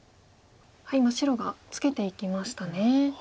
今白がツケていきましたね。